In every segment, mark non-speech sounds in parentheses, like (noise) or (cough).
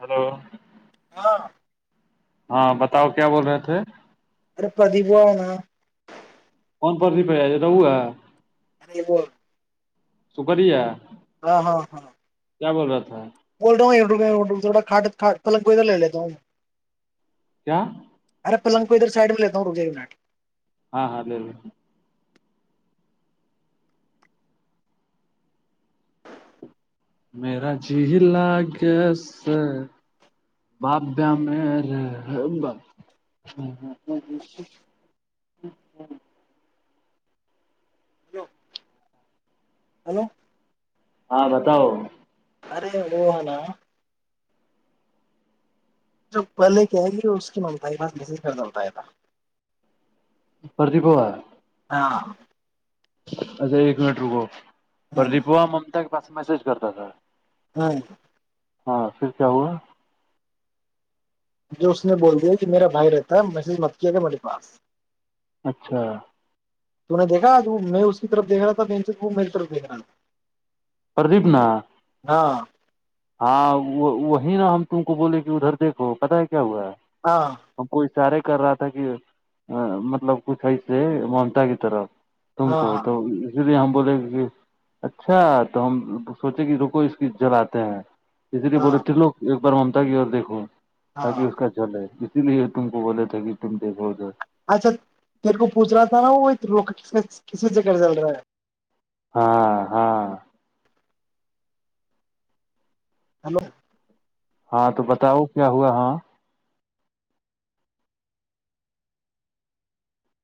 hello ہاں ہاں بتاؤ کیا بول رہے تھے اور پرتیبونا کون پرتی پڑا وہ ہے اے وہ سپری ہے ہاں ہاں ہاں کیا بول رہا تھا بول رہا ہوں پنگ کو ادھر لے لیتا ہوں کیا ارے پلنگ کو ادھر سائڈ میں لیتا ہوں روکے باٹ ہاں ہاں لے لیں ما جی ہ لا گیا سے باپ مے جی جیٹ ہچ ہیلو ہلو ہاں بتاؤ ارے وہو ہ نا (unintelligible) جب پہلے کہے گی اس کی ممتا کی بس بز پ ملتا ہے تھا پردپوا (unintelligible) ہاں اچھا ایک منٹ رکو ہ پردپوا ممتاک (unintelligible) ہاں ہاں پھر کیا ہوا جو اس نے بول دیا کہ میرا بھائی رہتا ہے مس مت کیا گ میرے پاس اچھا تو نے دیکھا میں اس کی طرف دیکھ رہا تھا بینچز وہ میری طرف دیکھ رہا تھا پردیپ نا ہاں ہاں وہ وہی نا ہم تم کو بولے کہ ادھر دیکھو پتا ہے کیا ہوا ہے ہاں ہم کوئی چارے کر رہا تھا کہ مطلب کچھ ہے سے ممتا کی طرف تم ہاں کو ہاں تو جی ہم بولے کہ اچھا تو ہم سوچے کہ رکو اس کی جلاتے ہیں اسری بول ہاں تھ لو پر منتا کی اور دیکھو تاکہ ہاں اس کا جول ہے اس لیے تم کو بولے تھ کہ تم دیکھوؤ جائے اچھا میر کو پوچھ رہا تھا نا وہ ر کس سے گ چل رہا ہے ہاں ہاں ہیلو (unintelligible) ہاں تو بتاؤ کیا ہوا ہاں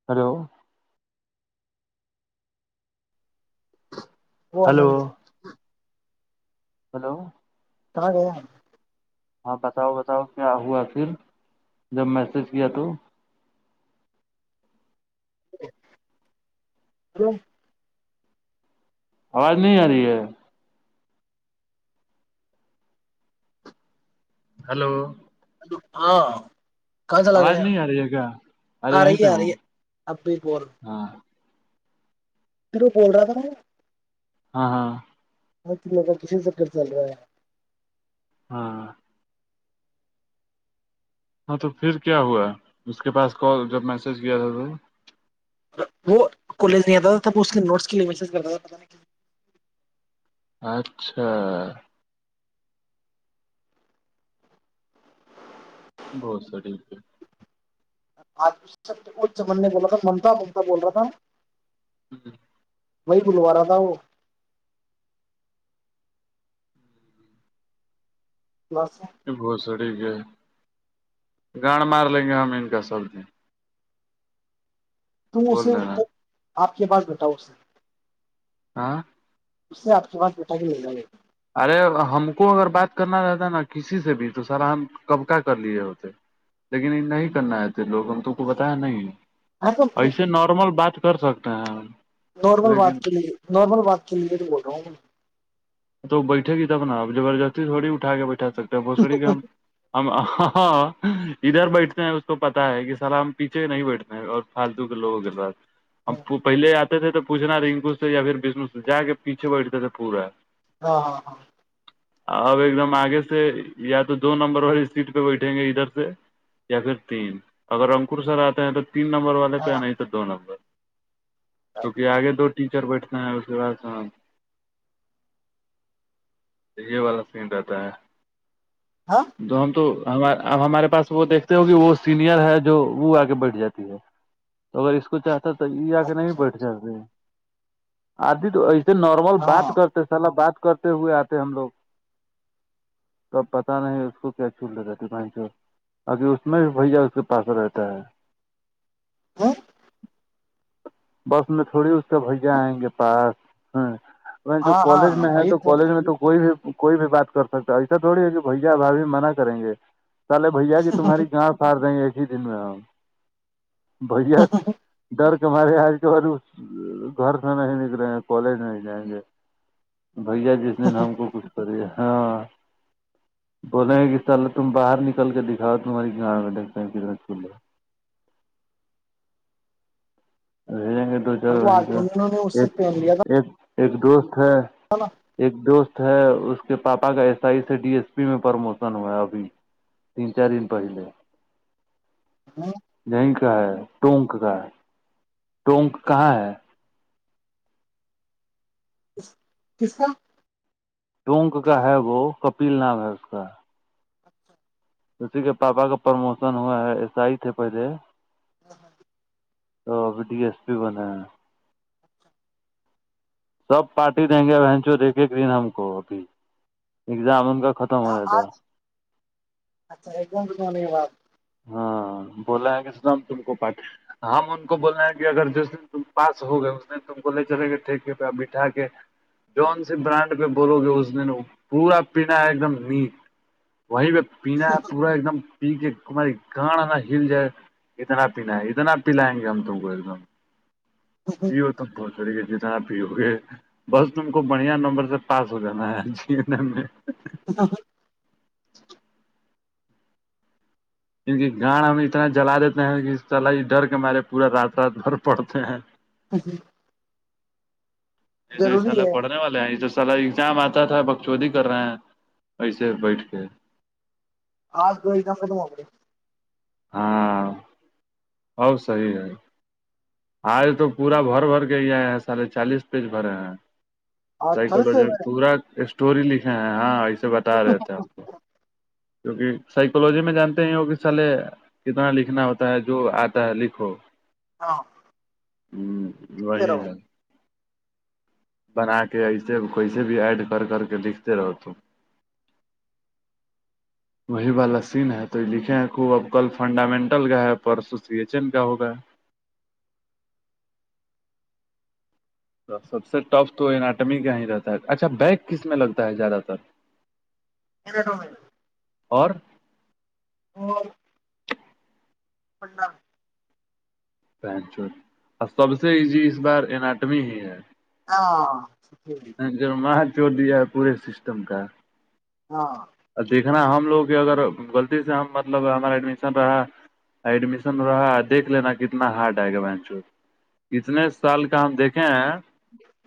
ہلو وہ ہلو آنند ہے (unintelligible) ہلو س رہے (unintelligible) ہاں بتاؤ بتاؤ کیا ہوا پھر جب میسج کیا تو ہ (inaudible) آواز نہیں آ رہی ہے ہلو ہاں کہاں چلا آواز گیا نہیں آ رہی ہے کیا ارے آ یہیں رہی پہ ہے آ ہوں رہی ہے اب بھی ہاں تو بول رہا تھا ہاں ہاں ہاں ت مگ کا کسی چکر چل رہا ہے ہاں ہاں تو پھر کیا ہوا ہے اسس کے پاس کال جب میسج کیا تھا تو وہ کالج نہیں آتا تھا تب اس کے نوٹس کے لیے می کرتا تھا پ اچھا بہت سٹیک ہے آج کو جمن نے بولا تھا ممتا ممتا بول رہا تھا ہ وہی گوارہ تھا وہ بس گھسڑی کے گاڑ مار لیں گے ہم ان کا سب د توس دینا آپ کے پاس بتاؤ اسر ہاں اس سے آپ کے پاس بیٹا کے مل جائے گ ارے ہم کو اگر بات کرنا رہتا نا کسی سے بھی تو سارا ہم کب کا کر لیے ہوتے لیکن ان نہیں کرنا ہےتے لوگ ہم تو کو بتایا نہیں جا تو ایسے نارمل بات کر سکتے ہیں نارمل وات لیکن کے لیے نارمل وات کے لیے تو بول رہا ہوں تو بیٹھے گ تب ن آپ زبردستی تھوی اٹھا کے بیٹھے اٹھا سکتا بوسڑی کا ہم ہاں ادھر بیٹھتے ہیں اس کو پتا ہے کہ سلام پیچھے نہیں بیٹھتے ہیں اور فالتو کے لوگ گر رہا اب وہ پہلے آتا تھے تو پوچنا رنکو سے یا پھرشنو سے ج کے پیھے بیٹھتے تھے پورا ہاں ہاں ہاں اب ایک دم آگے سے یا تو دو نمبر والی سیٹ پہ بیٹھیں گے ادھر سے یا پھر تین اگر رپور سر آتے ہیں تو تین نمبر والے ہاں پہ ہاں آ نہیں سر دو نمبر کیکہ آگے دو چر بیٹھنا ہے اس کے بعد سے تو یہ والا سین رہتا ہے ہاں جن تو ہم اب ہمارے پاس وہ دیکھتے ہو کہ وہ سینئر ہے جو وہ آ کے بیٹھ جاتی ہے تو اگر اس کو چاہ ا تو یہ آ کے نہیں اچھا بیٹھ جتے آدھی تو نارمل بات ہاں کرتے مطلب بات کرتے ہوئے آتے ہم لوگ کب پتا نہیں اس کو کیا چھو لی رہتے بن چ اق اس میں بھی بھیا اس کے پاس رہتا ہے ہ بس میں تھوڑی اس کا بھیا آئیں گے پاس ہ وہ جو ہاں کالج ہاں میں ہے وہی تو کالج میں تو کوئی بھی کوئی بھی بات کر سکتا ایسا تھوڑی ہے کہ بھیا بھ بھیھی منع کریں گے چلے بھیا ج تمہاری گاں پارے ہیں ج دن میں ہ بڑیا درد مارے آ اس کے بعد گھر سے نہیں نکلیں گے کالج نہیں جائیں گے بھیا جس نے ہم کو کچھ کرے ہاں بولیں کہ چل تم باہر نکل کے دکھاؤ تمہاری گ ڈکتے ہیں کنا چا رہ جیں گے دو چار اور وہ وہن آج انہوں نے اس سے ایک پین لیا ایک ایک دوست ہ ایک دوست ہے اس کے پاپا کا ایس آئی سے ڈی ایس پی میں پرموشن ہوا ابھی تین چار دن پہلے ہاں یہیں کا ہے ٹونک کا ہے ٹونک کہاں ہے ک کس کا ٹونک کا ہے وہ کپل نام ہے اس کا کا اسی کے پاپا کا پرموشن ہوا ہے ایس آئی تھے پہلے تو اب ڈی ایس پی بنے ہیں سب پارٹی دیں گے بہن چوں دیکھے گن ہم کو ابھی ایگزام ان کا ختم ن ہونے دو آج اچھا ایکتنا نہیں ہو ہاں بوللا ہے کہ اس ہم ت کو پ ہم ان کو بولے ہیں کہ اگر جس دن ت پاس ہو گئے اس دن تم کو لے چلیں گے ٹھیکے پہ بٹھا کے جون سی برانڈ پہ بولو گے اس دن پورا پینا ہے ایک دم نٹ وہیں پ پینینا پورا ایک دم ٹھیک کمہاری کان ہے نا ہل جائے اتنا پینا ہے اتنا پلائیں گے ہم تو وہ ایک دم ا ہو تمپت تھوڑی جتنا پ ہوگے بس تم کو بڑھیا نمبر سے پاس ہو جانا ہے جیتنے میں اسا س (inaudible) کیونکہ گاڑ ہم اتنا جلا دیتے ہیں کہ طل ہی ڈر کے ہمارے پورا رات رات بھر پڑتے ہیں ج جی (unintelligible) یہ تو سالا پڑھنے والے ہیں یہ تو سال ایگزام آتا تا تھا بک چودی کر رہے ہیں ایسے بیٹھ کے (unintelligible) آج دوئی د خ موکے (unintelligible) ہاں (unintelligible) ہؤ صی ہے (unintelligible) آج تو پورا بھر بھر کے ہی آئے ہیں ساھے چالیس پیج بھرے ہیں آج کل سائکوج سے کبرات اسٹور ل ہاں ہاں (unintelligible) بتا رہے تھے ہم (unintelligible) کیونکہ سائیکولوجی میں جانتے ہی ہو کہ سالے کتنا لکھنا ہوتا ہے جو آتا ہے لکھو ہاں (unintelligible) ہوں (unintelligible) وہی تیرہ ہے (unintelligible) بنا کے ایسے کوئی سے بھی ایڈ کر کر کے لکھتے رہو تو وہی والا سین ہے تو یہ لکھے ہیں خوب اب کل فنڈامنٹل کا ہے پرسوسیشن کا ہوگا ہے سب سے ٹف تو اٹمی کہ ہی رہتا ہے اچھا بیک کس میں لگتا ہے زیادہ تر نہیںٹ میں (unintelligible) اور (unintelligible) اور (unintelligible) اللہ (inaudible) پنچ اور سب سے ایزی اس بار اٹمی ہی ہے (unintelligible) ہ (unintelligible) ہ جر (unintelligible) جو دیا ہے پورے سسٹم کا (unintelligible) ہاں (unintelligible) دیکھنا ہم لوگ کے اگر غلطی سے ہم مطلب ہمارا ایڈمیشن رہا ایڈمیشن رہا دیکھ لینا کتنا ہارڈ آئے گا بینچو کتنے سال کا ہم دیکھیں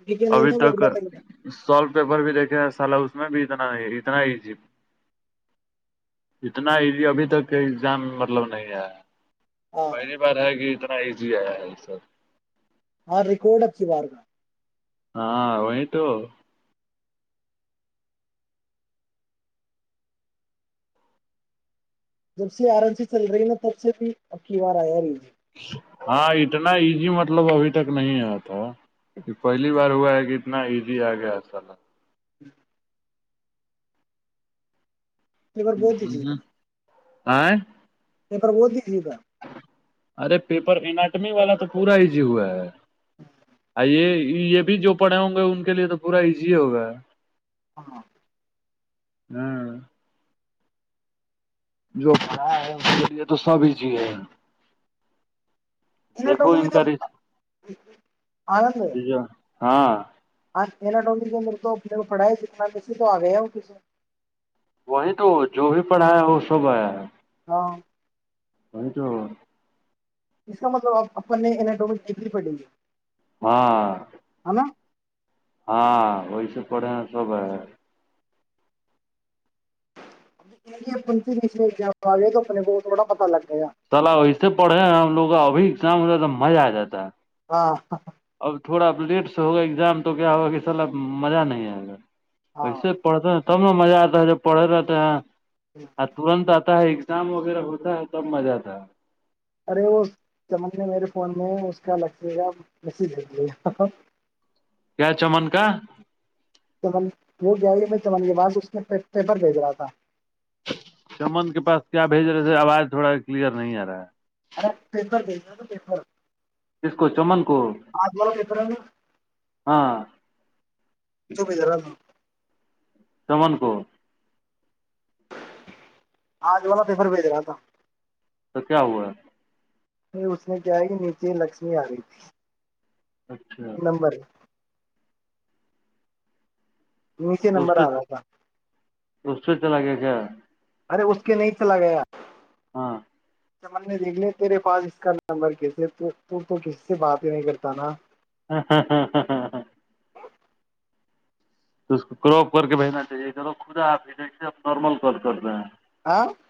ٹھیک نہیں تھا وہ انا نہیں تھا (unintelligible) سالو پیپر بھی دیکھیں سالا اس میں بھی اتنا نہیں اتنا ایزی (unintelligible) اتنا ہی ابھی تک ایگزام مطلب نہیں ہےیا تھا (unintelligible) ہاں پہلی بار ہے گی تو (unintelligible) اتنا ایزی آیا ہے سر (unintelligible) ہاں ریکارڈ اچھی بار کاار ہاں وہیں تو جب سے آرام سے چل رہی نا تب سے بھی اب کی بار آیا بھی ہاں اتنا ایزی مطلب ابھی تک نہیں آیا تھا پہلی بار ہوا ہے کہ اتنا ایزی آ گیا سل ہی (inaudible) ایک بار بہ چ تھا (unintelligible) آ (unintelligible) نہیں پر بوت بھی س تھا (unintelligible) ارے پیپر اٹمی والا تو پورا ایزی ہوا ہے یہ یہ بھی جو پڑھے ہوں گے ان کے لیے تو پورا ایزی ہوگا ہے ہ (inaudible) ہاں جو پھا ہے اس کے لیئے تو سب ہی چیے ہیں اٹ م آندے ہاں ما ڈٹوکری کہ میرے تو اپنے پڑھا ہے جتنا کیسے تو آ گیا ہو کسے وہی تو جو بھی پڑھایا وہ سب آیا ہے ہاں نہیں تو اس کا مطلب آپ اپنے اٹو میں دیکھنی پڑیں گی ہاں ہاں وہی سے پڑھے ہیں سب ہے ے اپن ج آ گے تو اپنے بہت تھوڑا پتا لگا سلا ویسے پڑھے ہیں ہم لوگ آب وہیزام ہوتا تھا مزہ آ جاتا ہے ہ ہاں اب تھوڑا اب لیٹ سے ہوگا ایگزام تو کیا ہوگا کہ سر اب مزہ نہیں آئے گا ہاں ایسے پڑھتے ہیں تب میں مزہ آتا ہے جب پڑے رہتے ہیں آ تورنت ایگزام وغیرہ ہوتا ہے سب ا جاتا ہے ارے وہ چمندنے میرے فون میں اس کا لگے گا میسیجے کیا چمن کا وہ گیا میں تمن بات اس نے پیپر بھیج رہا تھا چمن کے پاس کیا بھیج رہے تھے آواز تھوڑا کلیئر نہیں آ رہا ہے ار پپر د پپر جس کو چمن کو پیپر ہے نا ہاں جو بھی ج رہا ن سمن کو آج والا پیفر بھیج رہا تھا تو کیا ہوا پ اس میں کیا ہے کہ نیچے لکشمی آ رہی تھی اچھا نمبر نیچے اس نمبر آ رہا تھا اس چ لگے کیا ارے اس کے نہیں چلا گیا ہاں چمن نے دیکھ لے تیرے پاس اس کا نمبر کیسے تو کسی سے بات ہی نہیں کرتا نا ہاں ہاں ہاں ہاں ہاں ہاں تو اس کو کراپ کر کے بھیجنا چاہیے خدا آپ بھیجےپ نارمل ک کرتے ہیں آاں (inaudible)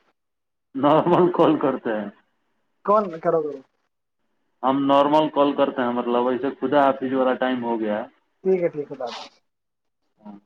نارمل کال کرتے ہیں کون کرا ت ہم نارمل کال کرتے ہیں مطلب ایسے خدا آفس والا ٹائم ہو گیا ٹھیک ہے ٹھیک ہے ب ہاں